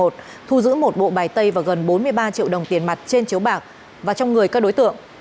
thu giữ một bộ bài tay và gần bốn mươi ba triệu đồng tiền mặt trên chiếu bạc và trong người các đối tượng